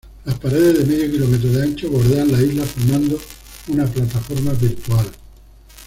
Las paredes, de medio kilómetro de ancho, bordean la isla formando una plataforma virtual.